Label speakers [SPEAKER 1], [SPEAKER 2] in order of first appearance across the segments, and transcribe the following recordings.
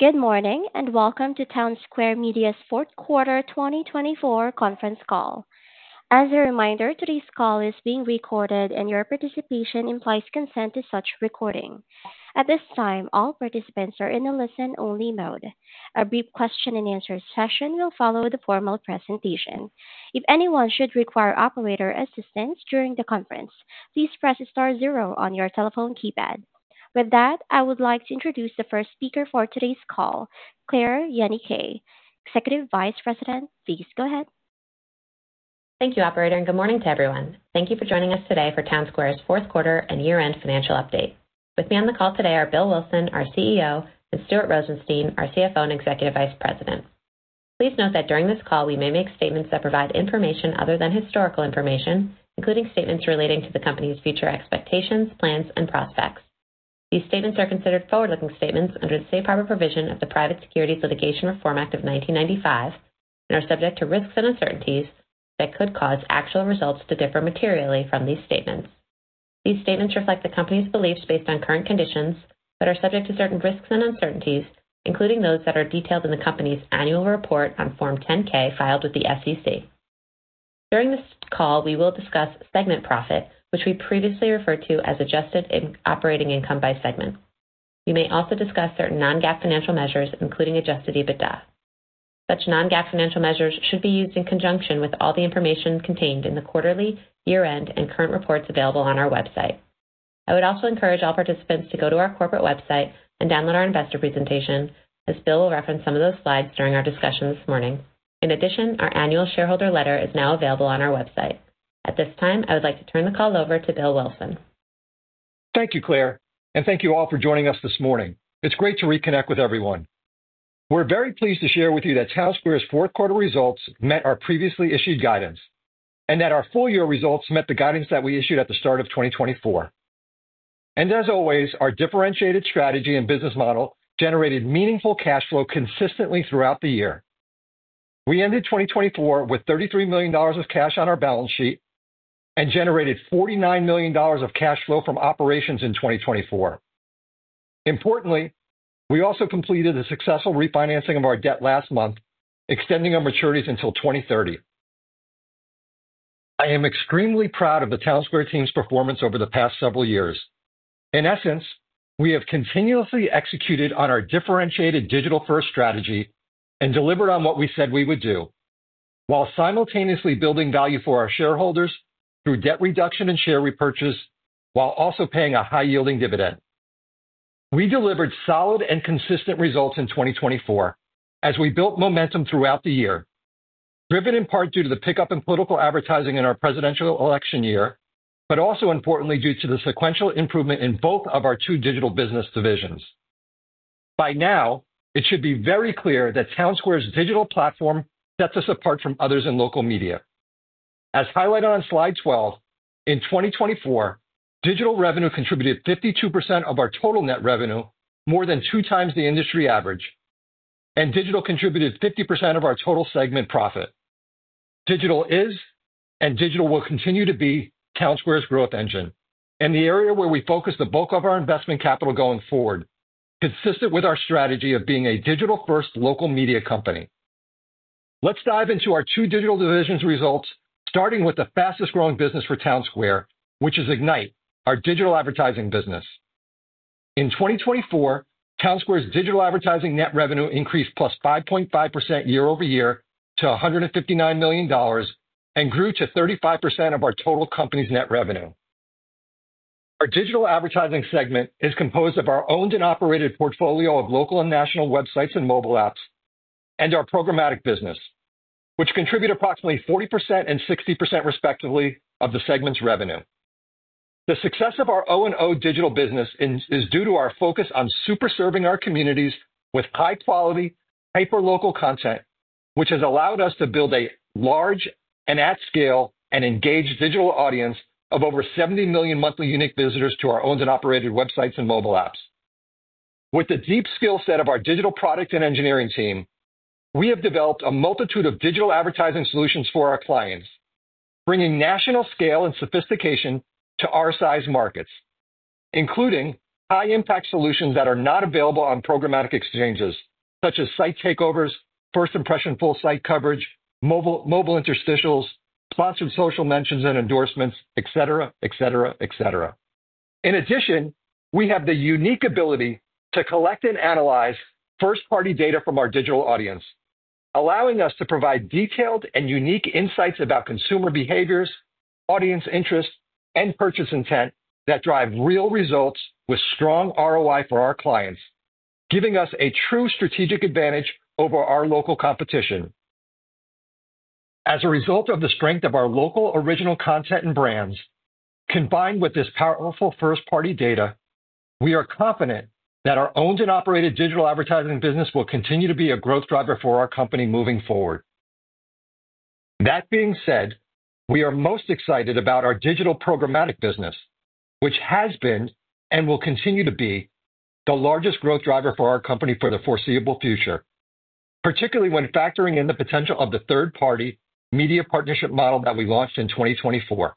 [SPEAKER 1] Good morning and welcome to Townsquare Media's fourth quarter 2024 conference call. As a reminder, today's call is being recorded and your participation implies consent to such recording. At this time, all participants are in a listen-only mode. A brief question-and-answer session will follow the formal presentation. If anyone should require operator assistance during the conference, please press star zero on your telephone keypad. With that, I would like to introduce the first speaker for today's call, Claire Yenicay, Executive Vice President. Please go ahead.
[SPEAKER 2] Thank you, Operator, and good morning to everyone. Thank you for joining us today for Townsquare's fourth quarter and year-end financial update. With me on the call today are Bill Wilson, our CEO, and Stuart Rosenstein, our CFO and Executive Vice President. Please note that during this call, we may make statements that provide information other than historical information, including statements relating to the company's future expectations, plans, and prospects. These statements are considered forward-looking statements under the safe harbor provision of the Private Securities Litigation Reform Act of 1995 and are subject to risks and uncertainties that could cause actual results to differ materially from these statements. These statements reflect the company's beliefs based on current conditions but are subject to certain risks and uncertainties, including those that are detailed in the company's annual report on Form 10-K filed with the SEC. During this call, we will discuss segment profit, which we previously referred to as adjusted operating income by segment. We may also discuss certain non-GAAP financial measures, including adjusted EBITDA. Such non-GAAP financial measures should be used in conjunction with all the information contained in the quarterly, year-end, and current reports available on our website. I would also encourage all participants to go to our corporate website and download our investor presentation, as Bill will reference some of those slides during our discussion this morning. In addition, our annual shareholder letter is now available on our website. At this time, I would like to turn the call over to Bill Wilson.
[SPEAKER 3] Thank you, Claire, and thank you all for joining us this morning. It is great to reconnect with everyone. We are very pleased to share with you that Townsquare's fourth quarter results met our previously issued guidance and that our full-year results met the guidance that we issued at the start of 2024. As always, our differentiated strategy and business model generated meaningful cash flow consistently throughout the year. We ended 2024 with $33 million of cash on our balance sheet and generated $49 million of cash flow from operations in 2024. Importantly, we also completed the successful refinancing of our debt last month, extending our maturities until 2030. I am extremely proud of the Townsquare team's performance over the past several years. In essence, we have continuously executed on our differentiated digital-first strategy and delivered on what we said we would do, while simultaneously building value for our shareholders through debt reduction and share repurchase, while also paying a high-yielding dividend. We delivered solid and consistent results in 2024 as we built momentum throughout the year, driven in part due to the pickup in political advertising in our presidential election year, but also, importantly, due to the sequential improvement in both of our two digital business divisions. By now, it should be very clear that Townsquare's digital platform sets us apart from others in local media. As highlighted on slide 12, in 2024, digital revenue contributed 52% of our total net revenue, more than two times the industry average, and digital contributed 50% of our total segment profit. Digital is, and digital will continue to be, Townsquare's growth engine and the area where we focus the bulk of our investment capital going forward, consistent with our strategy of being a digital-first local media company. Let's dive into our two digital divisions' results, starting with the fastest-growing business for Townsquare, which is Ignite, our digital advertising business. In 2024, Townsquare's digital advertising net revenue increased +5.5% year over year to $159 million and grew to 35% of our total company's net revenue. Our digital advertising segment is composed of our owned and operated portfolio of local and national websites and mobile apps and our programmatic business, which contribute approximately 40% and 60% respectively of the segment's revenue. The success of our O&O digital business is due to our focus on superserving our communities with high-quality, hyper-local content, which has allowed us to build a large and at-scale and engaged digital audience of over 70 million monthly unique visitors to our owned and operated websites and mobile apps. With the deep skill set of our digital product and engineering team, we have developed a multitude of digital advertising solutions for our clients, bringing national scale and sophistication to our-sized markets, including high-impact solutions that are not available on programmatic exchanges, such as site takeovers, first-impression full-site coverage, mobile interstitials, sponsored social mentions and endorsements, etc., etc., etc. In addition, we have the unique ability to collect and analyze first-party data from our digital audience, allowing us to provide detailed and unique insights about consumer behaviors, audience interest, and purchase intent that drive real results with strong ROI for our clients, giving us a true strategic advantage over our local competition. As a result of the strength of our local original content and brands, combined with this powerful first-party data, we are confident that our owned and operated digital advertising business will continue to be a growth driver for our company moving forward. That being said, we are most excited about our digital programmatic business, which has been and will continue to be the largest growth driver for our company for the foreseeable future, particularly when factoring in the potential of the third-party media partnership model that we launched in 2024.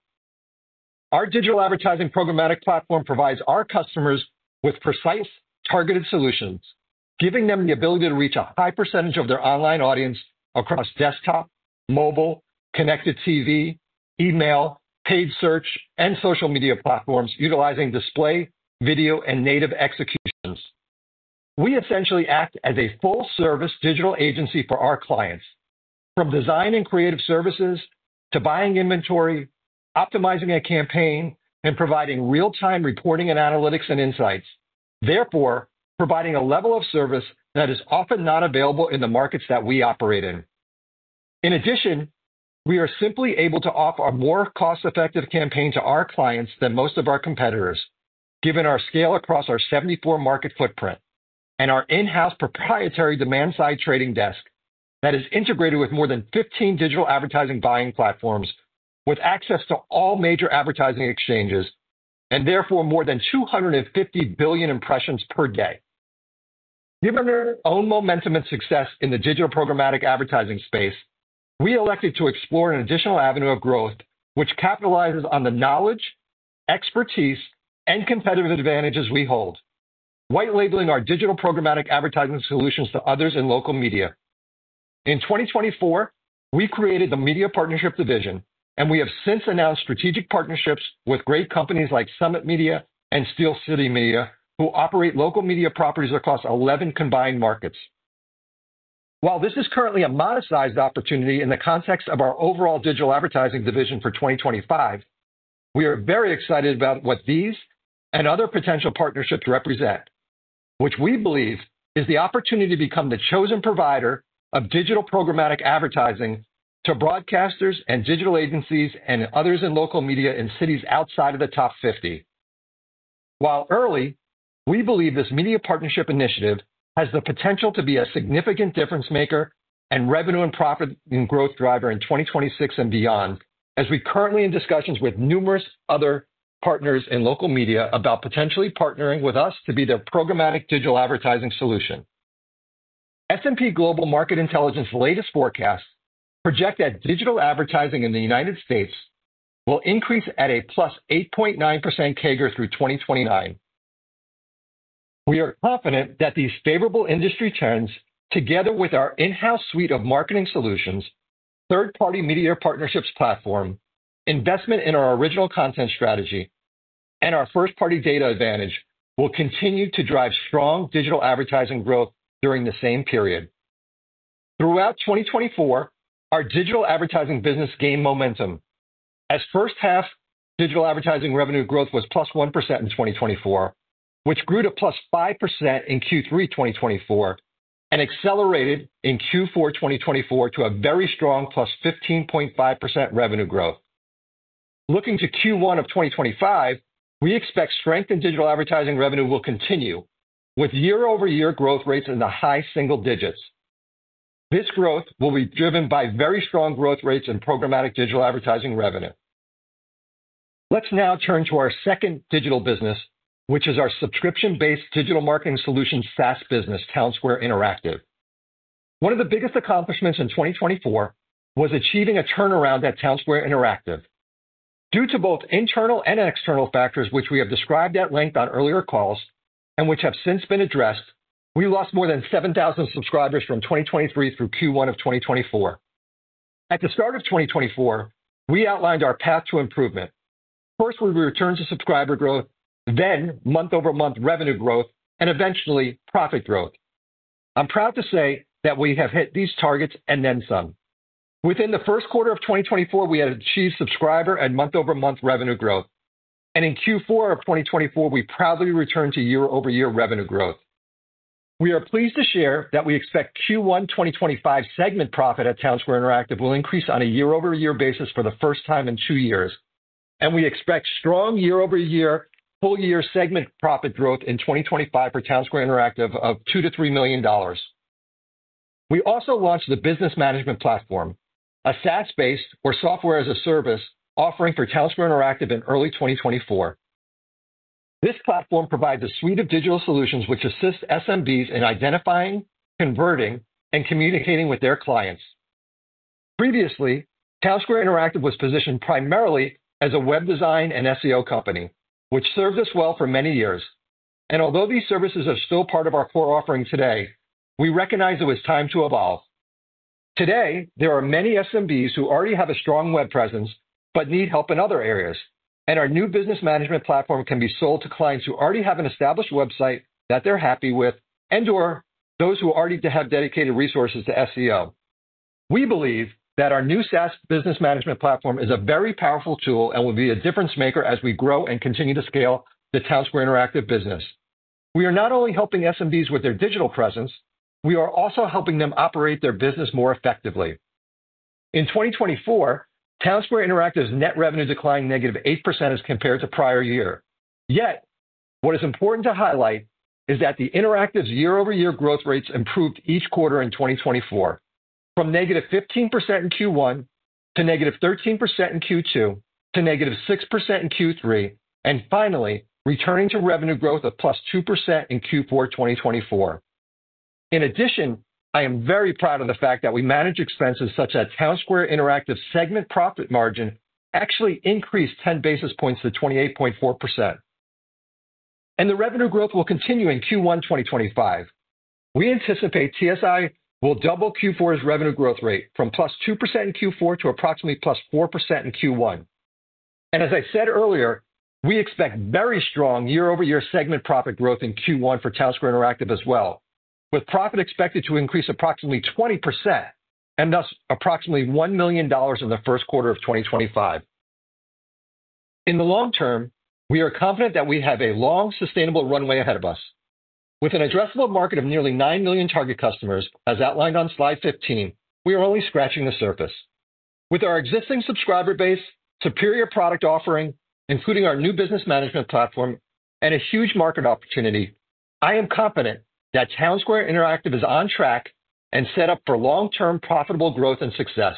[SPEAKER 3] Our digital advertising programmatic platform provides our customers with precise, targeted solutions, giving them the ability to reach a high percentage of their online audience across desktop, mobile, connected TV, email, paid search, and social media platforms utilizing display, video, and native executions. We essentially act as a full-service digital agency for our clients, from design and creative services to buying inventory, optimizing a campaign, and providing real-time reporting and analytics and insights, therefore providing a level of service that is often not available in the markets that we operate in. In addition, we are simply able to offer a more cost-effective campaign to our clients than most of our competitors, given our scale across our 74-market footprint and our in-house proprietary demand-side trading desk that is integrated with more than 15 digital advertising buying platforms with access to all major advertising exchanges and therefore more than 250 billion impressions per day. Given our own momentum and success in the digital programmatic advertising space, we elected to explore an additional avenue of growth which capitalizes on the knowledge, expertise, and competitive advantages we hold, white-labeling our digital programmatic advertising solutions to others in local media. In 2024, we created the Media Partnership Division, and we have since announced strategic partnerships with great companies like SummitMedia and Steel City Media, who operate local media properties across 11 combined markets. While this is currently a modest-sized opportunity in the context of our overall digital advertising division for 2025, we are very excited about what these and other potential partnerships represent, which we believe is the opportunity to become the chosen provider of digital programmatic advertising to broadcasters and digital agencies and others in local media in cities outside of the top 50. While early, we believe this media partnership initiative has the potential to be a significant difference-maker and revenue and profit and growth driver in 2026 and beyond, as we're currently in discussions with numerous other partners in local media about potentially partnering with us to be their programmatic digital advertising solution. S&P Global Market Intelligence latest forecasts project that digital advertising in the United States will increase at a plus 8.9% CAGR through 2029. We are confident that these favorable industry trends, together with our in-house suite of marketing solutions, third-party media partnerships platform, investment in our original content strategy, and our first-party data advantage, will continue to drive strong digital advertising growth during the same period. Throughout 2024, our digital advertising business gained momentum as first-half digital advertising revenue growth was +1% in 2024, which grew to +5% in Q3 2024 and accelerated in Q4 2024 to a very strong +15.5% revenue growth. Looking to Q1 of 2025, we expect strength in digital advertising revenue will continue with year-over-year growth rates in the high single digits. This growth will be driven by very strong growth rates in programmatic digital advertising revenue. Let's now turn to our second digital business, which is our subscription-based digital marketing solution SaaS business, Townsquare Interactive. One of the biggest accomplishments in 2024 was achieving a turnaround at Townsquare Interactive. Due to both internal and external factors, which we have described at length on earlier calls and which have since been addressed, we lost more than 7,000 subscribers from 2023 through Q1 of 2024. At the start of 2024, we outlined our path to improvement. First, we returned to subscriber growth, then month-over-month revenue growth, and eventually profit growth. I'm proud to say that we have hit these targets and then some. Within the first quarter of 2024, we had achieved subscriber and month-over-month revenue growth, and in Q4 of 2024, we proudly returned to year-over-year revenue growth. We are pleased to share that we expect Q1 2025 segment profit at Townsquare Interactive will increase on a year-over-year basis for the first time in two years, and we expect strong year-over-year, full-year segment profit growth in 2025 for Townsquare Interactive of $2 million-$3 million. We also launched the Business Management Platform, a SaaS-based or software-as-a-service offering for Townsquare Interactive in early 2024. This platform provides a suite of digital solutions which assist SMBs in identifying, converting, and communicating with their clients. Previously, Townsquare Interactive was positioned primarily as a web design and SEO company, which served us well for many years. Although these services are still part of our core offering today, we recognize it was time to evolve. Today, there are many SMBs who already have a strong web presence but need help in other areas, and our new Business Management Platform can be sold to clients who already have an established website that they're happy with and/or those who already have dedicated resources to SEO. We believe that our new SaaS Business Management Platform is a very powerful tool and will be a difference-maker as we grow and continue to scale the Townsquare Interactive business. We are not only helping SMBs with their digital presence, we are also helping them operate their business more effectively. In 2024, Townsquare Interactive's net revenue declined negative 8% as compared to prior year. Yet, what is important to highlight is that the Interactive's year-over-year growth rates improved each quarter in 2024, from negative 15% in Q1 to -13% in Q2 to -6% in Q3, and finally returning to revenue growth of +2% in Q4 2024. In addition, I am very proud of the fact that we managed expenses such that Townsquare Interactive's segment profit margin actually increased 10 basis points to 28.4%. The revenue growth will continue in Q1 2025. We anticipate TSI will double Q4's revenue growth rate from +2% in Q4 to approximately +4% in Q1. As I said earlier, we expect very strong year-over-year segment profit growth in Q1 for Townsquare Interactive as well, with profit expected to increase approximately 20% and thus approximately $1 million in the first quarter of 2025. In the long term, we are confident that we have a long, sustainable runway ahead of us. With an addressable market of nearly 9 million target customers, as outlined on slide 15, we are only scratching the surface. With our existing subscriber base, superior product offering, including our new business management platform, and a huge market opportunity, I am confident that Townsquare Interactive is on track and set up for long-term profitable growth and success.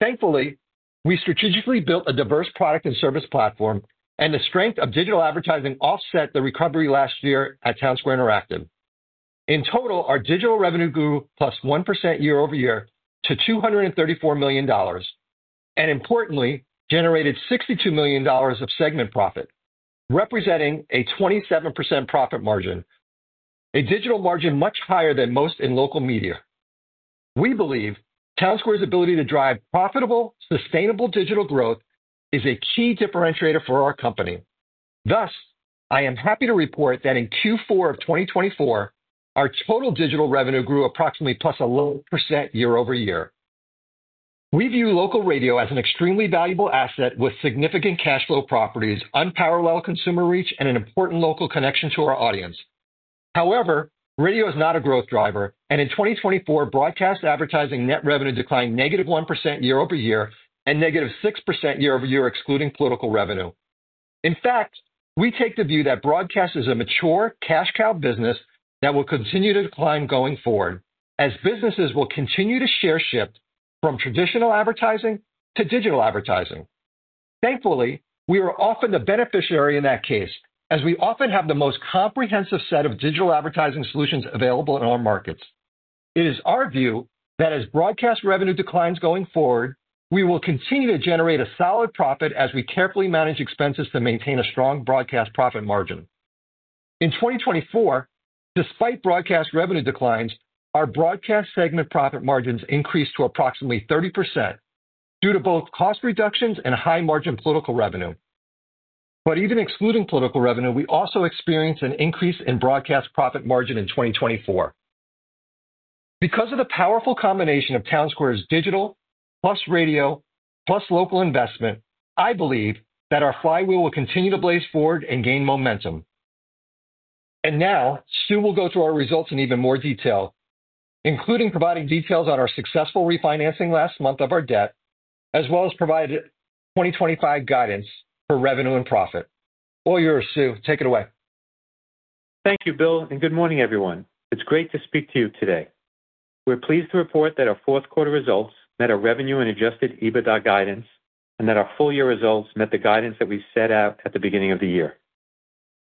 [SPEAKER 3] Thankfully, we strategically built a diverse product and service platform, and the strength of digital advertising offset the recovery last year at Townsquare Interactive. In total, our digital revenue grew plus 1% year-over-year to $234 million and, importantly, generated $62 million of segment profit, representing a 27% profit margin, a digital margin much higher than most in local media. We believe Townsquare's ability to drive profitable, sustainable digital growth is a key differentiator for our company. Thus, I am happy to report that in Q4 of 2024, our total digital revenue grew approximately +11% year-over-year. We view local radio as an extremely valuable asset with significant cash flow properties, unparalleled consumer reach, and an important local connection to our audience. However, radio is not a growth driver, and in 2024, broadcast advertising net revenue declined -1% year-over-year and -6% year-over-year excluding political revenue. In fact, we take the view that broadcast is a mature, cash-cow business that will continue to decline going forward, as businesses will continue to share shift from traditional advertising to digital advertising. Thankfully, we are often the beneficiary in that case, as we often have the most comprehensive set of digital advertising solutions available in our markets. It is our view that as broadcast revenue declines going forward, we will continue to generate a solid profit as we carefully manage expenses to maintain a strong broadcast profit margin. In 2024, despite broadcast revenue declines, our broadcast segment profit margins increased to approximately 30% due to both cost reductions and high-margin political revenue. Even excluding political revenue, we also experienced an increase in broadcast profit margin in 2024. Because of the powerful combination of Townsquare's digital plus radio plus local investment, I believe that our flywheel will continue to blaze forward and gain momentum. Now, Stu will go through our results in even more detail, including providing details on our successful refinancing last month of our debt, as well as provide 2025 guidance for revenue and profit. All yours, Stu. Take it away.
[SPEAKER 4] Thank you, Bill, and good morning, everyone. It's great to speak to you today. We're pleased to report that our fourth-quarter results met our revenue and adjusted EBITDA guidance, and that our full-year results met the guidance that we set out at the beginning of the year.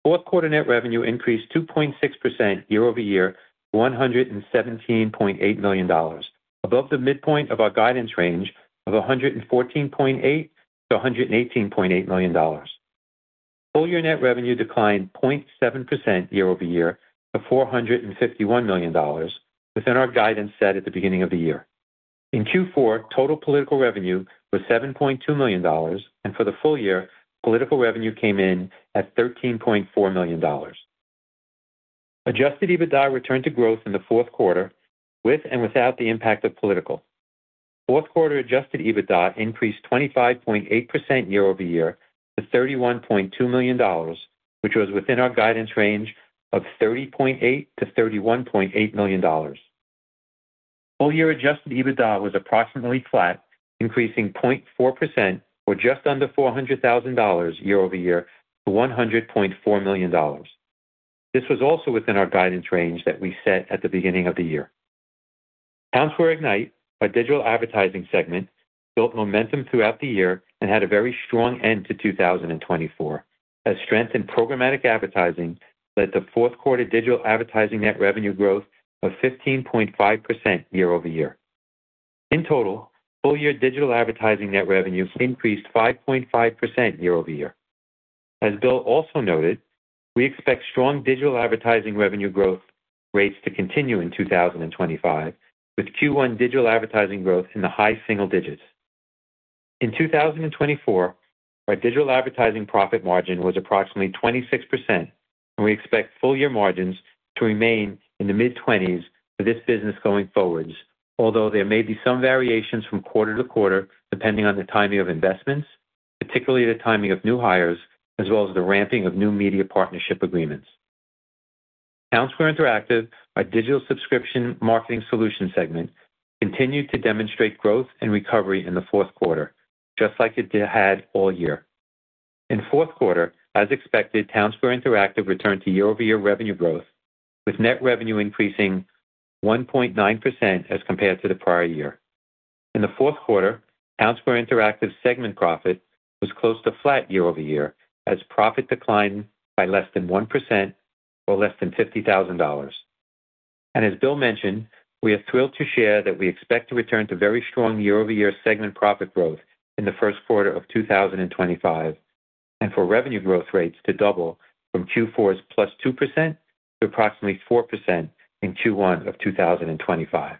[SPEAKER 4] Fourth-quarter net revenue increased 2.6% year-over-year to $117.8 million, above the midpoint of our guidance range of $114.8 million-$118.8 million. Full-year net revenue declined 0.7% year-over-year to $451 million within our guidance set at the beginning of the year. In Q4, total political revenue was $7.2 million, and for the full year, political revenue came in at $13.4 million. Adjusted EBITDA returned to growth in the fourth quarter with and without the impact of political. Fourth-quarter adjusted EBITDA increased 25.8% year-over-year to $31.2 million, which was within our guidance range of $30.8 million-$31.8 million. Full-year adjusted EBITDA was approximately flat, increasing 0.4% or just under $400,000 year-over-year to $100.4 million. This was also within our guidance range that we set at the beginning of the year. Townsquare Ignite, our digital advertising segment, built momentum throughout the year and had a very strong end to 2024, as strength in programmatic advertising led to fourth-quarter digital advertising net revenue growth of 15.5% year-over-year. In total, full-year digital advertising net revenue increased 5.5% year-over-year. As Bill also noted, we expect strong digital advertising revenue growth rates to continue in 2025, with Q1 digital advertising growth in the high single digits. In 2024, our digital advertising profit margin was approximately 26%, and we expect full-year margins to remain in the mid-20s for this business going forward, although there may be some variations from quarter to quarter depending on the timing of investments, particularly the timing of new hires, as well as the ramping of new media partnership agreements. Townsquare Interactive, our digital subscription marketing solution segment, continued to demonstrate growth and recovery in the fourth quarter, just like it had all year. In fourth quarter, as expected, Townsquare Interactive returned to year-over-year revenue growth, with net revenue increasing 1.9% as compared to the prior year. In the fourth quarter, Townsquare Interactive's segment profit was close to flat year-over-year, as profit declined by less than 1% or less than $50,000. As Bill mentioned, we are thrilled to share that we expect to return to very strong year-over-year segment profit growth in the first quarter of 2025, and for revenue growth rates to double from Q4's +2% to approximately 4% in Q1 of 2025.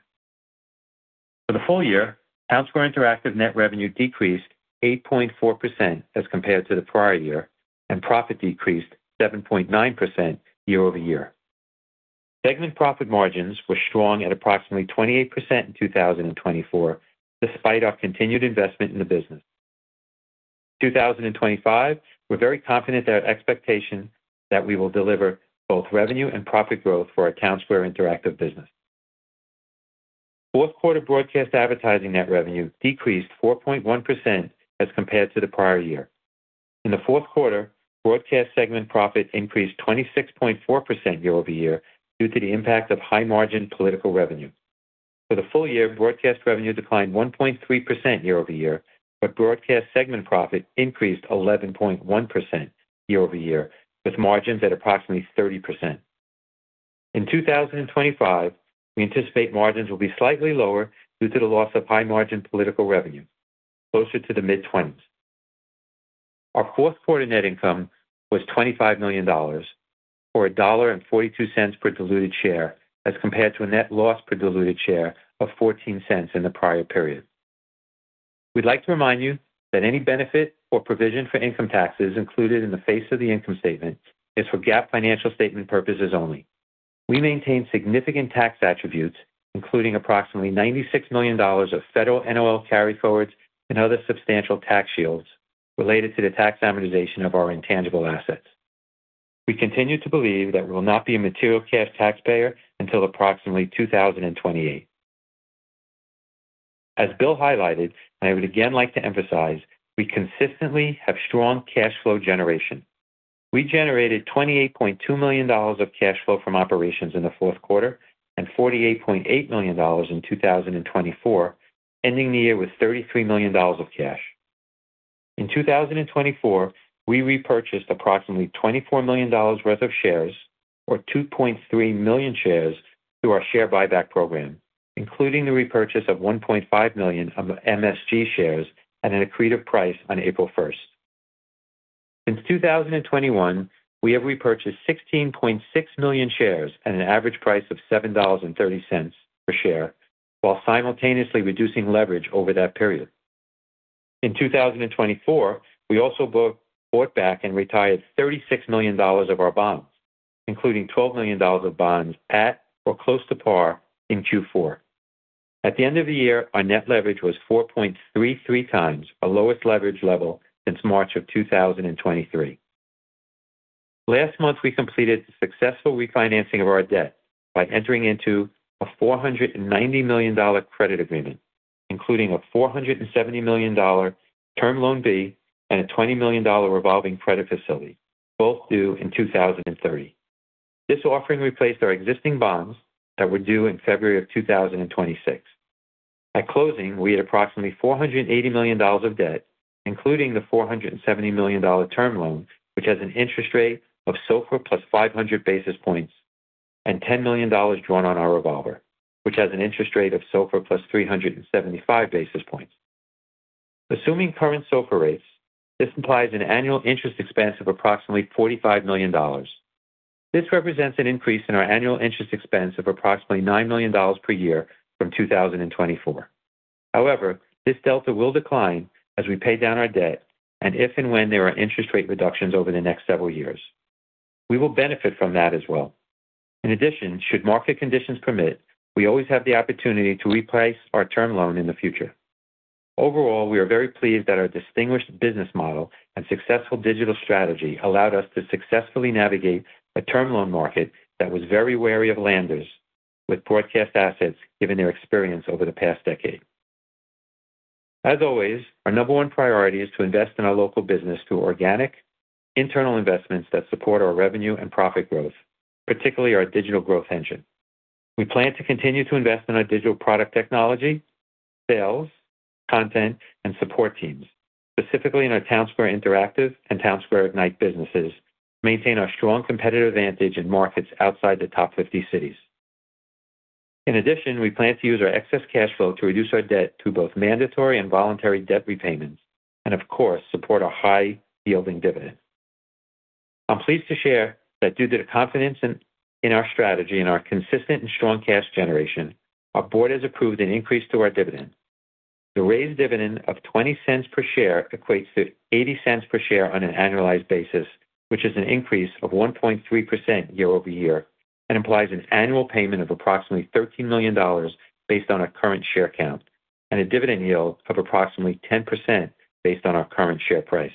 [SPEAKER 4] For the full year, Townsquare Interactive net revenue decreased 8.4% as compared to the prior year, and profit decreased 7.9% year-over-year. Segment profit margins were strong at approximately 28% in 2024, despite our continued investment in the business. In 2025, we're very confident in our expectation that we will deliver both revenue and profit growth for our Townsquare Interactive business. Fourth-quarter broadcast advertising net revenue decreased 4.1% as compared to the prior year. In the fourth quarter, broadcast segment profit increased 26.4% year-over-year due to the impact of high-margin political revenue. For the full year, broadcast revenue declined 1.3% year-over-year, but broadcast segment profit increased 11.1% year-over-year, with margins at approximately 30%. In 2025, we anticipate margins will be slightly lower due to the loss of high-margin political revenue, closer to the mid-20s. Our fourth quarter net income was $25 million or $1.42 per diluted share, as compared to a net loss per diluted share of $0.14 in the prior period. We'd like to remind you that any benefit or provision for income taxes included in the face of the income statement is for GAAP financial statement purposes only. We maintain significant tax attributes, including approximately $96 million of federal NOL carryforwards and other substantial tax shields related to the tax amortization of our intangible assets. We continue to believe that we will not be a material cash taxpayer until approximately 2028. As Bill highlighted, and I would again like to emphasize, we consistently have strong cash flow generation. We generated $28.2 million of cash flow from operations in the fourth quarter and $48.8 million in 2024, ending the year with $33 million of cash. In 2024, we repurchased approximately $24 million worth of shares, or 2.3 million shares, through our share buyback program, including the repurchase of 1.5 million of MSG shares at an accretive price on April 1. Since 2021, we have repurchased 16.6 million shares at an average price of $7.30 per share, while simultaneously reducing leverage over that period. In 2024, we also bought back and retired $36 million of our bonds, including $12 million of bonds at or close to par in Q4. At the end of the year, our net leverage was 4.33 times our lowest leverage level since March of 2023. Last month, we completed the successful refinancing of our debt by entering into a $490 million credit agreement, including a $470 million Term Loan B and a $20 million revolving credit facility, both due in 2030. This offering replaced our existing bonds that were due in February of 2026. At closing, we had approximately $480 million of debt, including the $470 million term loan, which has an interest rate of SOFR plus 500 basis points, and $10 million drawn on our revolver, which has an interest rate of SOFR plus 375 basis points. Assuming current SOFR rates, this implies an annual interest expense of approximately $45 million. This represents an increase in our annual interest expense of approximately $9 million per year from 2024. However, this delta will decline as we pay down our debt and if and when there are interest rate reductions over the next several years. We will benefit from that as well. In addition, should market conditions permit, we always have the opportunity to replace our term loan in the future. Overall, we are very pleased that our distinguished business model and successful digital strategy allowed us to successfully navigate a term loan market that was very wary of lenders, with broadcast assets given their experience over the past decade. As always, our number one priority is to invest in our local business through organic, internal investments that support our revenue and profit growth, particularly our digital growth engine. We plan to continue to invest in our digital product technology, sales, content, and support teams, specifically in our Townsquare Interactive and Townsquare Ignite businesses, to maintain our strong competitive advantage in markets outside the top 50 cities. In addition, we plan to use our excess cash flow to reduce our debt through both mandatory and voluntary debt repayments, and of course, support a high-yielding dividend. I'm pleased to share that due to confidence in our strategy and our consistent and strong cash generation, our board has approved an increase to our dividend. The raised dividend of $0.20 per share equates to $0.80 per share on an annualized basis, which is an increase of 1.3% year-over-year, and implies an annual payment of approximately $13 million based on our current share count, and a dividend yield of approximately 10% based on our current share price.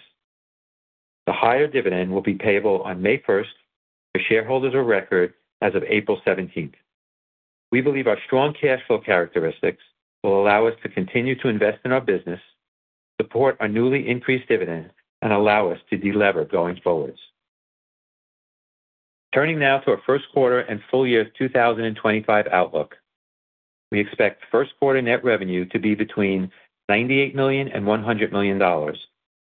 [SPEAKER 4] The higher dividend will be payable on May 1 to shareholders of record as of April 17. We believe our strong cash flow characteristics will allow us to continue to invest in our business, support our newly increased dividend, and allow us to delever going forward. Turning now to our first quarter and full year 2025 outlook, we expect first-quarter net revenue to be between $98 million and $100 million,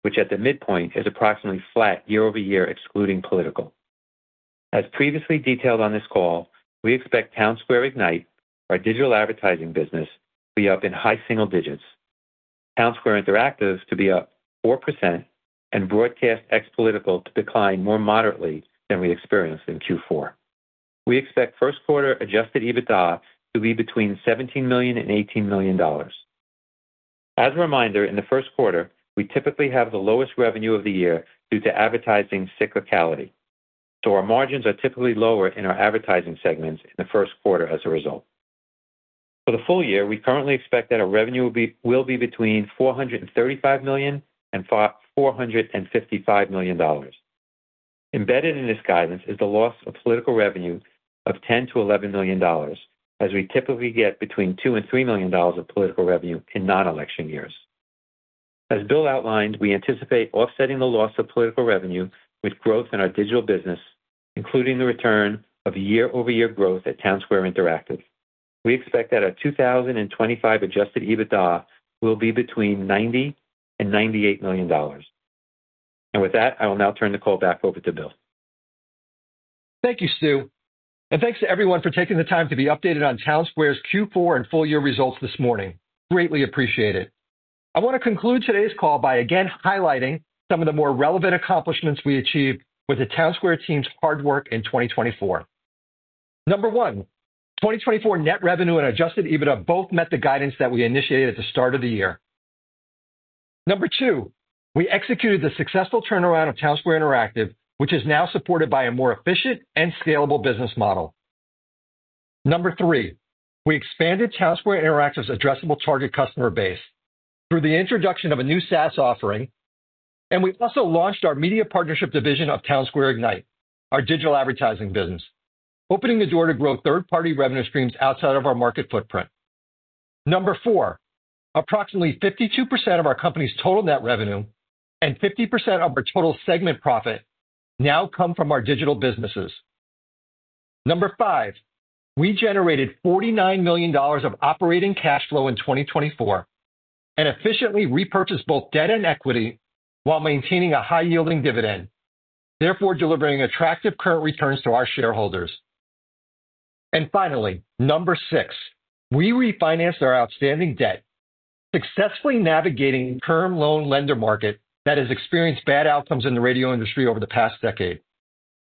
[SPEAKER 4] which at the midpoint is approximately flat year-over-year excluding political. As previously detailed on this call, we expect Townsquare Ignite, our digital advertising business, to be up in high single digits, Townsquare Interactive to be up 4%, and broadcast ex-political to decline more moderately than we experienced in Q4. We expect first-quarter adjusted EBITDA to be between $17 million and $18 million. As a reminder, in the first quarter, we typically have the lowest revenue of the year due to advertising cyclicality, so our margins are typically lower in our advertising segments in the first quarter as a result. For the full year, we currently expect that our revenue will be between $435 million and $455 million. Embedded in this guidance is the loss of political revenue of $10 million-$11 million, as we typically get between $2 million-$3 million of political revenue in non-election years. As Bill outlined, we anticipate offsetting the loss of political revenue with growth in our digital business, including the return of year-over-year growth at Townsquare Interactive. We expect that our 2025 adjusted EBITDA will be between $90 million-$98 million. With that, I will now turn the call back over to Bill.
[SPEAKER 3] Thank you, Stu. Thanks to everyone for taking the time to be updated on Townsquare's Q4 and full-year results this morning. Greatly appreciate it. I want to conclude today's call by again highlighting some of the more relevant accomplishments we achieved with the Townsquare team's hard work in 2024. Number one, 2024 net revenue and adjusted EBITDA both met the guidance that we initiated at the start of the year. Number two, we executed the successful turnaround of Townsquare Interactive, which is now supported by a more efficient and scalable business model. Number three, we expanded Townsquare Interactive's addressable target customer base through the introduction of a new SaaS offering, and we also launched our media partnership division of Townsquare Ignite, our digital advertising business, opening the door to grow third-party revenue streams outside of our market footprint. Number four, approximately 52% of our company's total net revenue and 50% of our total segment profit now come from our digital businesses. Number five, we generated $49 million of operating cash flow in 2024 and efficiently repurchased both debt and equity while maintaining a high-yielding dividend, therefore delivering attractive current returns to our shareholders. Number six, we refinanced our outstanding debt, successfully navigating the term loan lender market that has experienced bad outcomes in the radio industry over the past decade,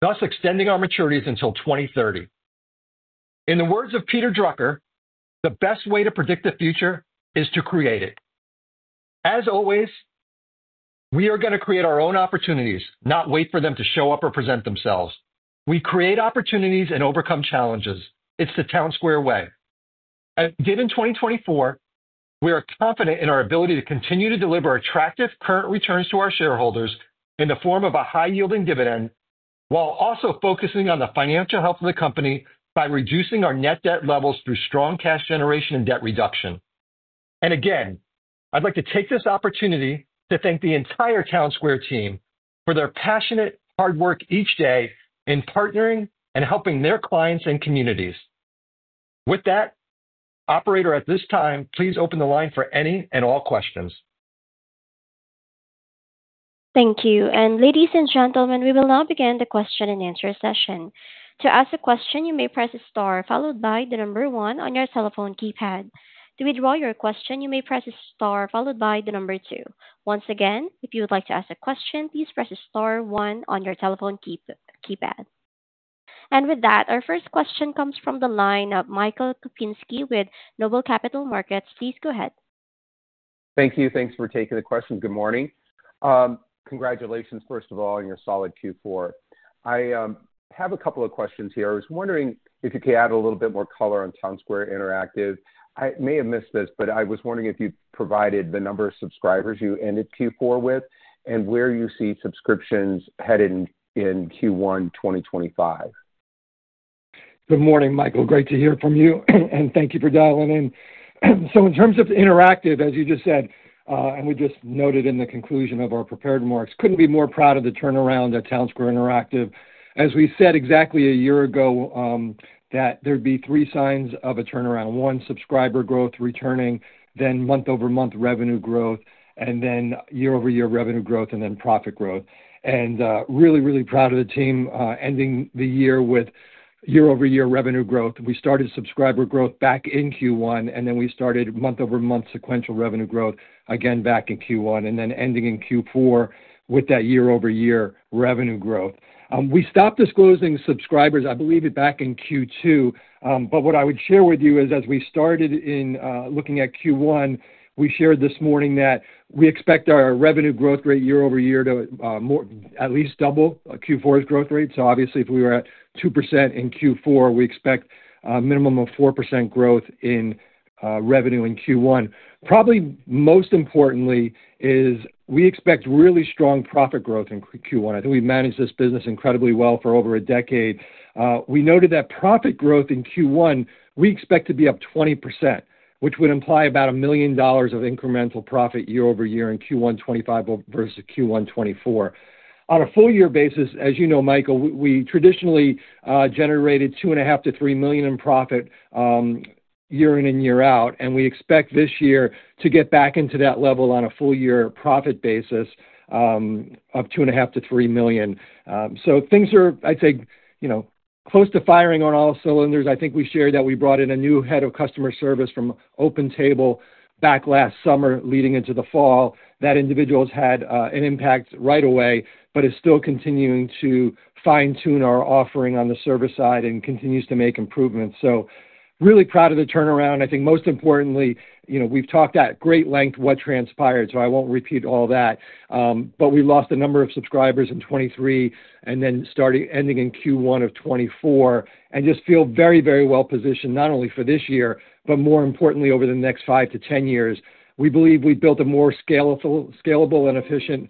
[SPEAKER 3] thus extending our maturities until 2030. In the words of Peter Drucker, "The best way to predict the future is to create it." As always, we are going to create our own opportunities, not wait for them to show up or present themselves. We create opportunities and overcome challenges. It's the Townsquare way. As we did in 2024, we are confident in our ability to continue to deliver attractive current returns to our shareholders in the form of a high-yielding dividend, while also focusing on the financial health of the company by reducing our net debt levels through strong cash generation and debt reduction. I would like to take this opportunity to thank the entire Townsquare team for their passionate hard work each day in partnering and helping their clients and communities. With that, operator, at this time, please open the line for any and all questions.
[SPEAKER 1] Thank you. Ladies and gentlemen, we will now begin the question and answer session. To ask a question, you may press a star followed by the number one on your telephone keypad. To withdraw your question, you may press a star followed by the number two. Once again, if you would like to ask a question, please press star one on your telephone keypad. With that, our first question comes from the line of Michael Kupinski with Noble Capital Markets. Please go ahead.
[SPEAKER 5] Thank you. Thanks for taking the question. Good morning. Congratulations, first of all, on your solid Q4. I have a couple of questions here. I was wondering if you could add a little bit more color on Townsquare Interactive. I may have missed this, but I was wondering if you provided the number of subscribers you ended Q4 with and where you see subscriptions headed in Q1 2025.
[SPEAKER 3] Good morning, Michael. Great to hear from you, and thank you for dialing in. In terms of Interactive, as you just said, and we just noted in the conclusion of our prepared remarks, could not be more proud of the turnaround at Townsquare Interactive. As we said exactly a year ago, there would be three signs of a turnaround: one, subscriber growth returning, then month-over-month revenue growth, and then year-over-year revenue growth, and then profit growth. Really, really proud of the team ending the year with year-over-year revenue growth. We started subscriber growth back in Q1, and then we started month-over-month sequential revenue growth again back in Q1, and then ending in Q4 with that year-over-year revenue growth. We stopped disclosing subscribers, I believe, back in Q2, but what I would share with you is, as we started in looking at Q1, we shared this morning that we expect our revenue growth rate year-over-year to at least double Q4's growth rate. Obviously, if we were at 2% in Q4, we expect a minimum of 4% growth in revenue in Q1. Probably most importantly, we expect really strong profit growth in Q1. I think we've managed this business incredibly well for over a decade. We noted that profit growth in Q1, we expect to be up 20%, which would imply about $1 million of incremental profit year-over-year in Q1 2025 versus Q1 2024. On a full-year basis, as you know, Michael, we traditionally generated $2.5 million-$3 million in profit year in and year out, and we expect this year to get back into that level on a full-year profit basis of $2.5 million-$3 million. Things are, I'd say, close to firing on all cylinders. I think we shared that we brought in a new head of customer service from OpenTable back last summer leading into the fall. That individual's had an impact right away, but is still continuing to fine-tune our offering on the service side and continues to make improvements. Really proud of the turnaround. I think most importantly, we've talked at great length what transpired, so I won't repeat all that, but we lost a number of subscribers in 2023 and then started ending in Q1 of 2024 and just feel very, very well positioned, not only for this year, but more importantly, over the next 5 to 10 years. We believe we built a more scalable and efficient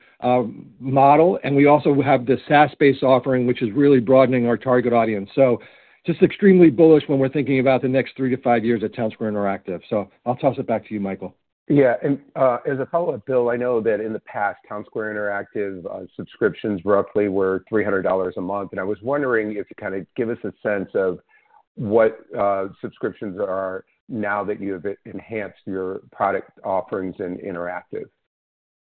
[SPEAKER 3] model, and we also have the SaaS-based offering, which is really broadening our target audience. Just extremely bullish when we're thinking about the next three to five years at Townsquare Interactive. I'll toss it back to you, Michael.
[SPEAKER 5] Yeah. As a follow-up, Bill, I know that in the past, Townsquare Interactive subscriptions roughly were $300 a month, and I was wondering if you could kind of give us a sense of what subscriptions are now that you have enhanced your product offerings in Interactive.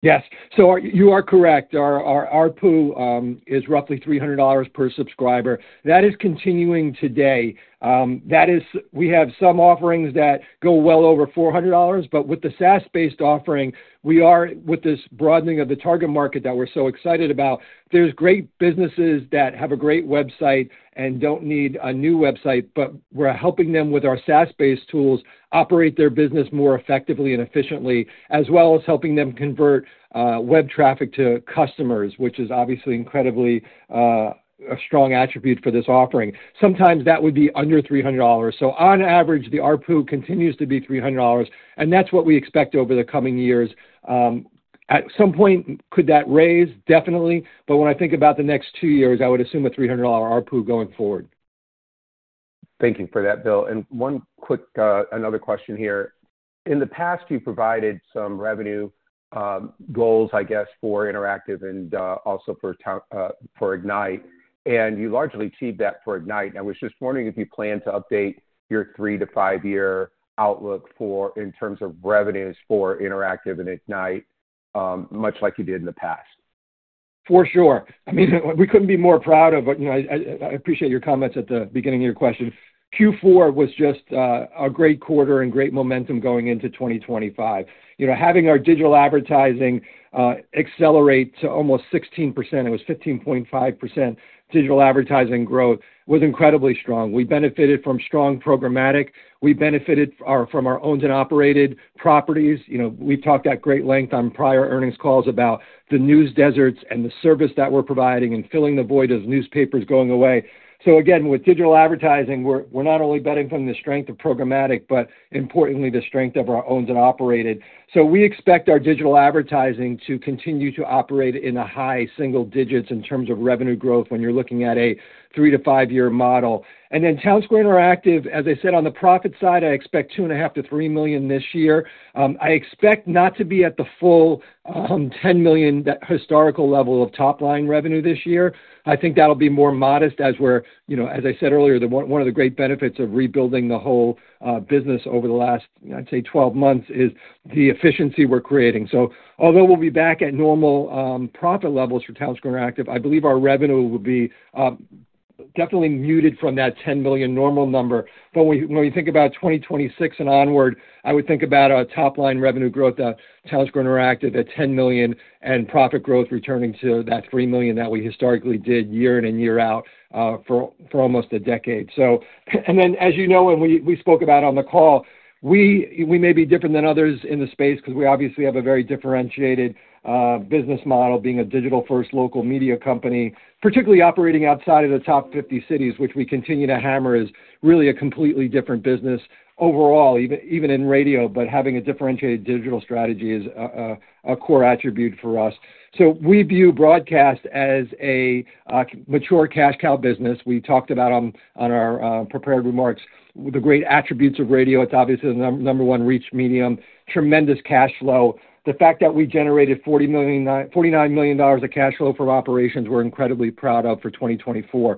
[SPEAKER 3] Yes. You are correct. Our pool is roughly $300 per subscriber. That is continuing today. We have some offerings that go well over $400, but with the SaaS-based offering, we are, with this broadening of the target market that we're so excited about, there's great businesses that have a great website and don't need a new website, but we're helping them with our SaaS-based tools operate their business more effectively and efficiently, as well as helping them convert web traffic to customers, which is obviously incredibly a strong attribute for this offering. Sometimes that would be under $300. On average, the RPU continues to be $300, and that's what we expect over the coming years. At some point, could that raise? Definitely. When I think about the next two years, I would assume a $300 RPU going forward.
[SPEAKER 5] Thank you for that, Bill. One quick, another question here. In the past, you provided some revenue goals, I guess, for Interactive and also for Ignite, and you largely achieved that for Ignite. I was just wondering if you plan to update your three to five-year outlook in terms of revenues for Interactive and Ignite, much like you did in the past.
[SPEAKER 3] For sure. I mean, we could not be more proud of, but I appreciate your comments at the beginning of your question. Q4 was just a great quarter and great momentum going into 2025. Having our digital advertising accelerate to almost 16%, it was 15.5% digital advertising growth, was incredibly strong. We benefited from strong programmatic. We benefited from our owned and operated properties. We have talked at great length on prior earnings calls about the news deserts and the service that we are providing and filling the void of newspapers going away. Again, with digital advertising, we're not only benefiting from the strength of programmatic, but importantly, the strength of our owned and operated. We expect our digital advertising to continue to operate in the high single digits in terms of revenue growth when you're looking at a three- to five-year model. Then Townsquare Interactive, as I said, on the profit side, I expect $2.5 million-$3 million this year. I expect not to be at the full $10 million historical level of top-line revenue this year. I think that'll be more modest as we're, as I said earlier, one of the great benefits of rebuilding the whole business over the last, I'd say, 12 months is the efficiency we're creating. Although we will be back at normal profit levels for Townsquare Interactive, I believe our revenue will be definitely muted from that $10 million normal number. When we think about 2026 and onward, I would think about our top-line revenue growth at Townsquare Interactive at $10 million and profit growth returning to that $3 million that we historically did year in and year out for almost a decade. As you know, and we spoke about on the call, we may be different than others in the space because we obviously have a very differentiated business model being a digital-first local media company, particularly operating outside of the top 50 cities, which we continue to hammer is really a completely different business overall, even in radio, but having a differentiated digital strategy is a core attribute for us. We view broadcast as a mature cash cow business. We talked about on our prepared remarks the great attributes of radio. It's obviously the number one reach medium, tremendous cash flow. The fact that we generated $49 million of cash flow from operations we're incredibly proud of for 2024.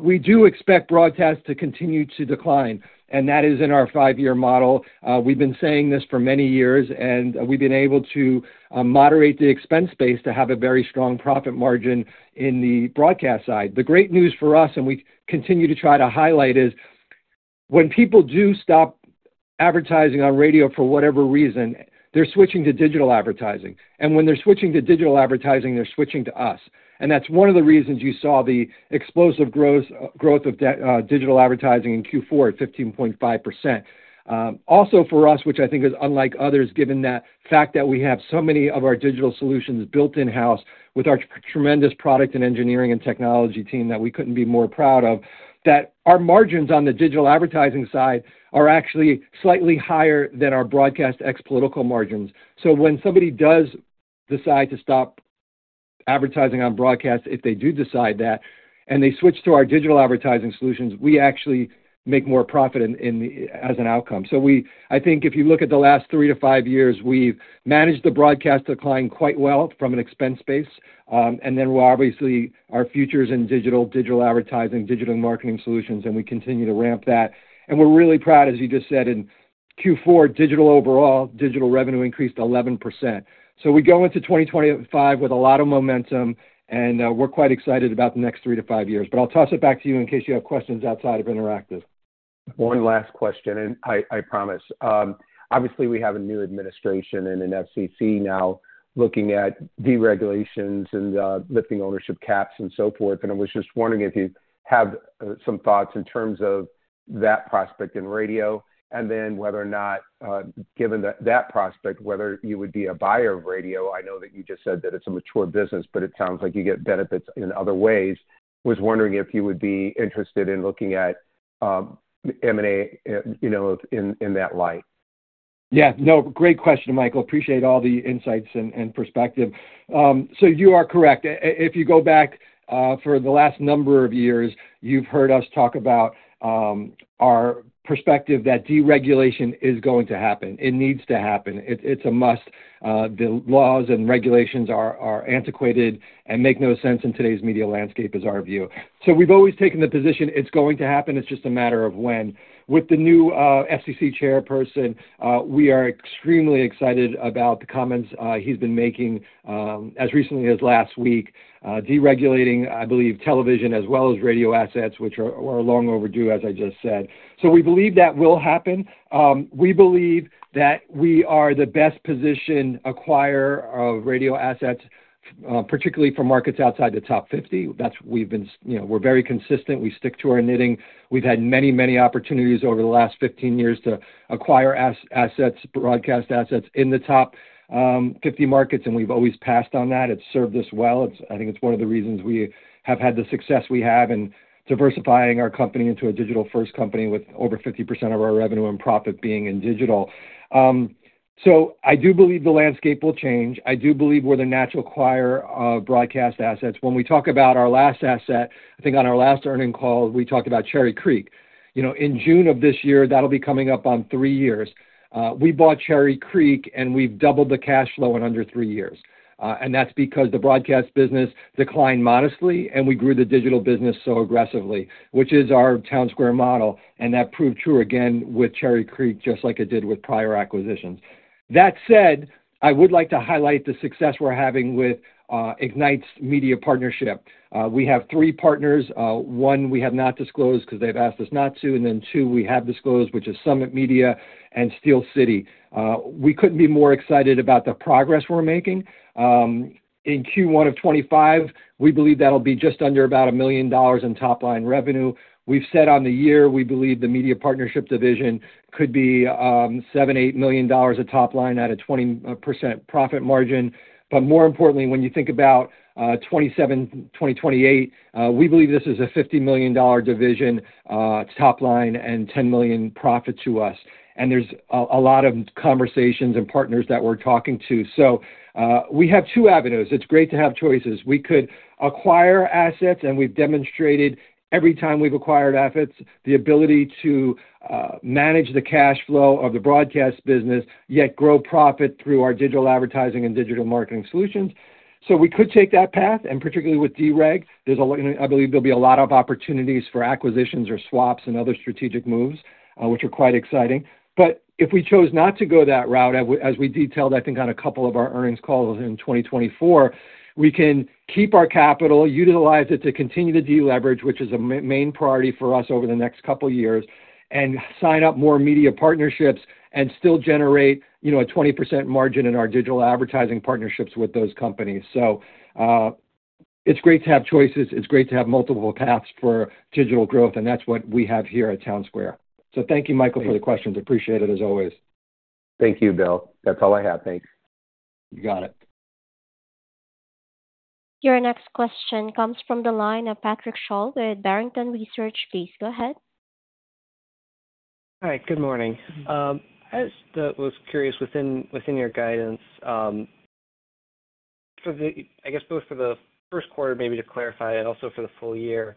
[SPEAKER 3] We do expect broadcast to continue to decline, and that is in our five-year model. We've been saying this for many years, and we've been able to moderate the expense base to have a very strong profit margin in the broadcast side. The great news for us, and we continue to try to highlight, is when people do stop advertising on radio for whatever reason, they're switching to digital advertising. When they're switching to digital advertising, they're switching to us. That's one of the reasons you saw the explosive growth of digital advertising in Q4 at 15.5%. Also for us, which I think is unlike others, given that fact that we have so many of our digital solutions built in-house with our tremendous product and engineering and technology team that we could not be more proud of, that our margins on the digital advertising side are actually slightly higher than our broadcast ex-political margins. When somebody does decide to stop advertising on broadcast, if they do decide that and they switch to our digital advertising solutions, we actually make more profit as an outcome. I think if you look at the last three to five years, we have managed the broadcast decline quite well from an expense base. We are obviously our future is in digital, digital advertising, digital marketing solutions, and we continue to ramp that. We are really proud, as you just said, in Q4, digital overall, digital revenue increased 11%. We go into 2025 with a lot of momentum, and we're quite excited about the next three to five years. I'll toss it back to you in case you have questions outside of Interactive.
[SPEAKER 5] One last question, and I promise. Obviously, we have a new administration and an FCC now looking at deregulations and lifting ownership caps and so forth. I was just wondering if you have some thoughts in terms of that prospect in radio, and then whether or not, given that prospect, whether you would be a buyer of radio. I know that you just said that it's a mature business, but it sounds like you get benefits in other ways. I was wondering if you would be interested in looking at M&A in that light.
[SPEAKER 3] Yeah. No, great question, Michael. Appreciate all the insights and perspective. You are correct. If you go back for the last number of years, you've heard us talk about our perspective that deregulation is going to happen. It needs to happen. It's a must. The laws and regulations are antiquated and make no sense in today's media landscape is our view. We've always taken the position it's going to happen. It's just a matter of when. With the new FCC chairperson, we are extremely excited about the comments he's been making, as recently as last week, deregulating, I believe, television as well as radio assets, which are long overdue, as I just said. We believe that will happen. We believe that we are the best positioned acquirer of radio assets, particularly for markets outside the top 50. We're very consistent. We stick to our knitting. We've had many, many opportunities over the last 15 years to acquire assets, broadcast assets in the top 50 markets, and we've always passed on that. It's served us well. I think it's one of the reasons we have had the success we have in diversifying our company into a digital-first company with over 50% of our revenue and profit being in digital. I do believe the landscape will change. I do believe we're the natural acquirer of broadcast assets. When we talk about our last asset, I think on our last earning call, we talked about Cherry Creek. In June of this year, that'll be coming up on three years. We bought Cherry Creek, and we've doubled the cash flow in under three years. That's because the broadcast business declined modestly, and we grew the digital business so aggressively, which is our Townsquare model. That proved true again with Cherry Creek, just like it did with prior acquisitions. That said, I would like to highlight the success we're having with Ignite's media partnership. We have three partners. One, we have not disclosed because they've asked us not to. Two, we have disclosed, which is SummitMedia and Steel City. We couldn't be more excited about the progress we're making. In Q1 of 2025, we believe that'll be just under about $1 million in top-line revenue. We've said on the year, we believe the media partnership division could be $7 million-$8 million of top-line at a 20% profit margin. More importantly, when you think about 2027, 2028, we believe this is a $50 million division, top-line, and $10 million profit to us. There are a lot of conversations and partners that we're talking to. We have two avenues. It's great to have choices. We could acquire assets, and we've demonstrated every time we've acquired assets, the ability to manage the cash flow of the broadcast business, yet grow profit through our digital advertising and digital marketing solutions. We could take that path. Particularly with dereg, I believe there'll be a lot of opportunities for acquisitions or swaps and other strategic moves, which are quite exciting. If we chose not to go that route, as we detailed, I think, on a couple of our earnings calls in 2024, we can keep our capital, utilize it to continue to deleverage, which is a main priority for us over the next couple of years, and sign up more media partnerships and still generate a 20% margin in our digital advertising partnerships with those companies. It's great to have choices. It's great to have multiple paths for digital growth, and that's what we have here at Townsquare. Thank you, Michael, for the questions. Appreciate it as always.
[SPEAKER 5] Thank you, Bill. That's all I have. Thanks.
[SPEAKER 3] You got it.
[SPEAKER 1] Your next question comes from the line of Patrick Sholl with Barrington Research. Please go ahead.
[SPEAKER 6] Hi. Good morning. I was curious, within your guidance, I guess both for the first quarter, maybe to clarify, and also for the full year,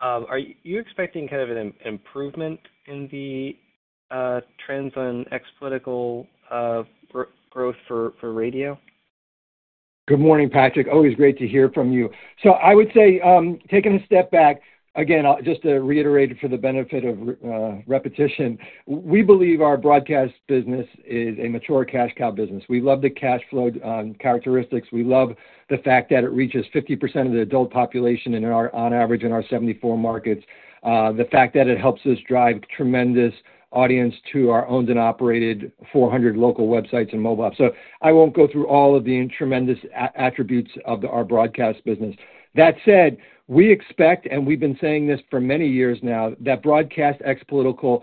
[SPEAKER 6] are you expecting kind of an improvement in the trends on ex-political growth for radio?
[SPEAKER 3] Good morning, Patrick. Always great to hear from you. I would say, taking a step back, again, just to reiterate for the benefit of repetition, we believe our broadcast business is a mature cash cow business. We love the cash flow characteristics. We love the fact that it reaches 50% of the adult population on average in our 74 markets. The fact that it helps us drive tremendous audience to our owned and operated 400 local websites and mobile apps. I won't go through all of the tremendous attributes of our broadcast business. That said, we expect, and we've been saying this for many years now, that broadcast ex-political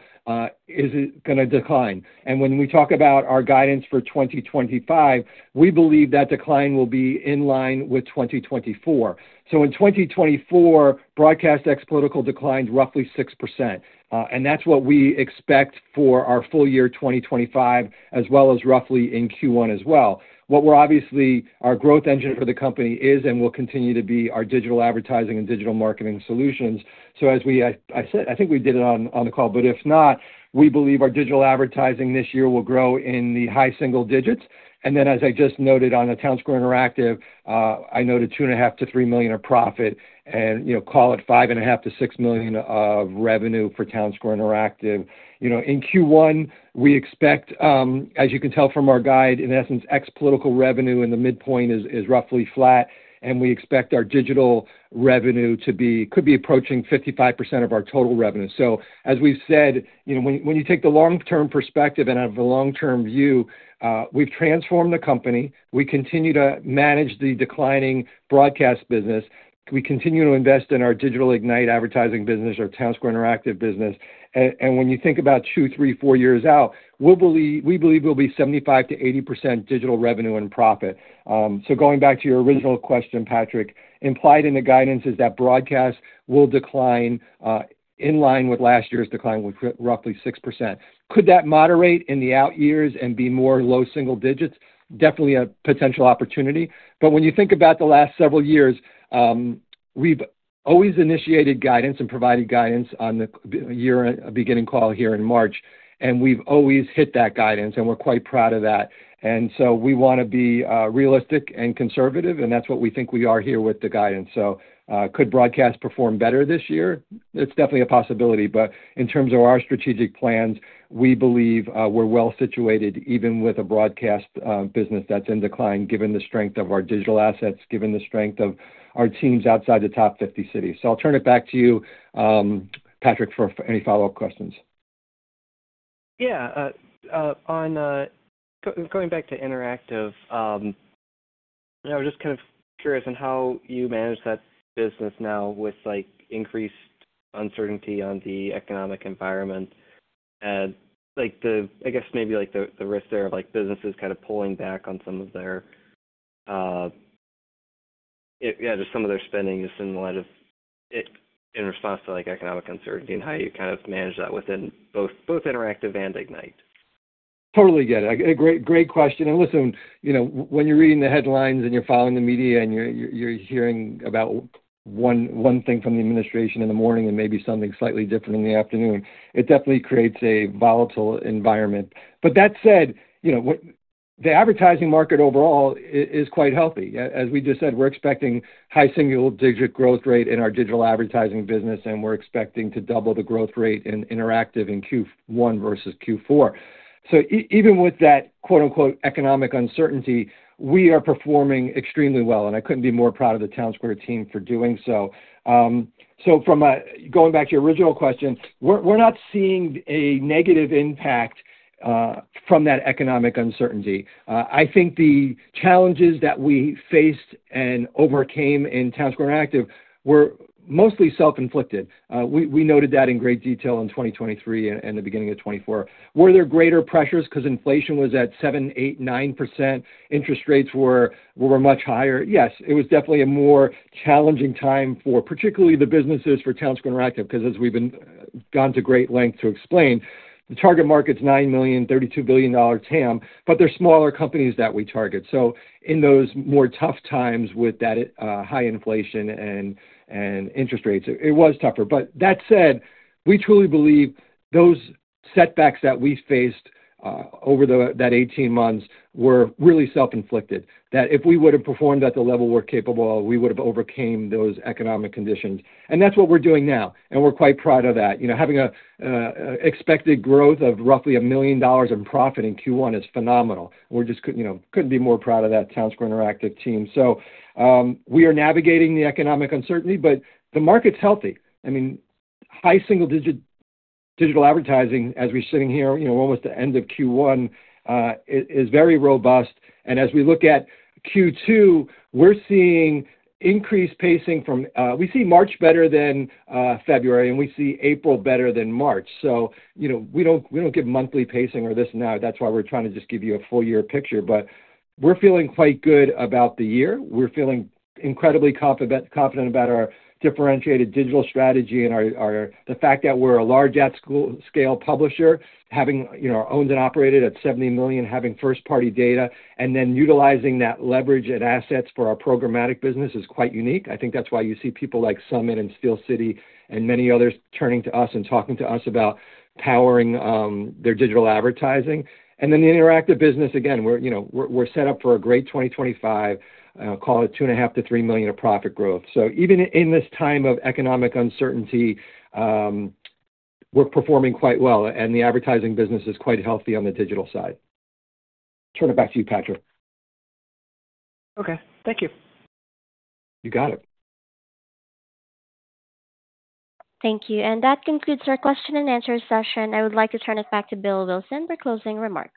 [SPEAKER 3] is going to decline. When we talk about our guidance for 2025, we believe that decline will be in line with 2024. In 2024, broadcast ex-political declined roughly 6%. That's what we expect for our full year, 2025, as well as roughly in Q1 as well. What we're obviously our growth engine for the company is and will continue to be our digital advertising and digital marketing solutions. As I said, I think we did it on the call, but if not, we believe our digital advertising this year will grow in the high single digits. As I just noted on Townsquare Interactive, I noted $2.5 million-$3 million of profit and call it $5.5 million-$6 million of revenue for Townsquare Interactive. In Q1, we expect, as you can tell from our guide, in essence, ex-political revenue in the midpoint is roughly flat, and we expect our digital revenue could be approaching 55% of our total revenue. As we have said, when you take the long-term perspective and have a long-term view, we have transformed the company. We continue to manage the declining broadcast business. We continue to invest in our digital Ignite advertising business, our Townsquare Interactive business. When you think about two, three, four years out, we believe we'll be 75%-80% digital revenue and profit. Going back to your original question, Patrick, implied in the guidance is that broadcast will decline in line with last year's decline with roughly 6%. Could that moderate in the out years and be more low single digits? Definitely a potential opportunity. When you think about the last several years, we've always initiated guidance and provided guidance on the beginning call here in March, and we've always hit that guidance, and we're quite proud of that. We want to be realistic and conservative, and that's what we think we are here with the guidance. Could broadcast perform better this year? It's definitely a possibility. In terms of our strategic plans, we believe we're well situated even with a broadcast business that's in decline, given the strength of our digital assets, given the strength of our teams outside the top 50 cities. I'll turn it back to you, Patrick, for any follow-up questions.
[SPEAKER 6] Yeah. Going back to Interactive, I was just kind of curious on how you manage that business now with increased uncertainty on the economic environment. I guess maybe the risk there of businesses kind of pulling back on some of their, yeah, just some of their spending just in light of it in response to economic uncertainty and how you kind of manage that within both Interactive and Ignite.
[SPEAKER 3] Totally get it. Great question. Listen, when you're reading the headlines and you're following the media and you're hearing about one thing from the administration in the morning and maybe something slightly different in the afternoon, it definitely creates a volatile environment. That said, the advertising market overall is quite healthy. As we just said, we're expecting high single-digit growth rate in our digital advertising business, and we're expecting to double the growth rate in Interactive in Q1 versus Q4. Even with that "economic uncertainty," we are performing extremely well. I couldn't be more proud of the Townsquare team for doing so. Going back to your original question, we're not seeing a negative impact from that economic uncertainty. I think the challenges that we faced and overcame in Townsquare Interactive were mostly self-inflicted. We noted that in great detail in 2023 and the beginning of 2024. Were there greater pressures because inflation was at 7%, 8%, 9%? Interest rates were much higher. Yes, it was definitely a more challenging time for particularly the businesses for Townsquare Interactive because, as we've gone to great length to explain, the target market's $9 million, $32 billion TAM, but there are smaller companies that we target. In those more tough times with that high inflation and interest rates, it was tougher. That said, we truly believe those setbacks that we faced over that 18 months were really self-inflicted, that if we would have performed at the level we're capable, we would have overcome those economic conditions. That's what we're doing now. We're quite proud of that. Having an expected growth of roughly $1 million in profit in Q1 is phenomenal. We couldn't be more proud of that Townsquare Interactive team. We are navigating the economic uncertainty, but the market's healthy. I mean, high single-digit digital advertising, as we're sitting here, almost the end of Q1, is very robust. As we look at Q2, we're seeing increased pacing from we see March better than February, and we see April better than March. We don't get monthly pacing or this and that. That's why we're trying to just give you a full-year picture. We're feeling quite good about the year. We're feeling incredibly confident about our differentiated digital strategy and the fact that we're a large at-scale publisher, having owned and operated at 70 million, having first-party data, and then utilizing that leverage and assets for our programmatic business is quite unique. I think that's why you see people like SummitMedia and Steel City Media and many others turning to us and talking to us about powering their digital advertising. The Interactive business, again, we're set up for a great 2025, call it $2.5 million-$3 million of profit growth. Even in this time of economic uncertainty, we're performing quite well, and the advertising business is quite healthy on the digital side. Turn it back to you, Patrick.
[SPEAKER 6] Okay. Thank you.
[SPEAKER 3] You got it.
[SPEAKER 1] Thank you. That concludes our question and answer session. I would like to turn it back to Bill Wilson for closing remarks.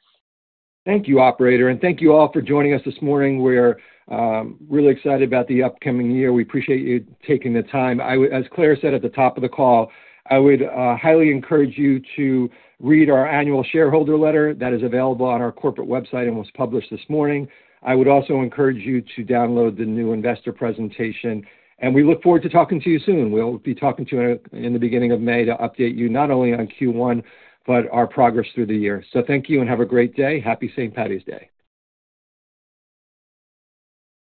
[SPEAKER 3] Thank you, operator. Thank you all for joining us this morning. We're really excited about the upcoming year. We appreciate you taking the time. As Claire said at the top of the call, I would highly encourage you to read our annual shareholder letter that is available on our corporate website and was published this morning. I would also encourage you to download the new investor presentation. We look forward to talking to you soon. We will be talking to you in the beginning of May to update you not only on Q1, but our progress through the year. Thank you and have a great day. Happy St. Paddy's Day.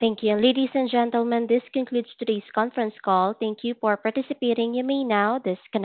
[SPEAKER 1] Thank you. Ladies and gentlemen, this concludes today's conference call. Thank you for participating. You may now disconnect.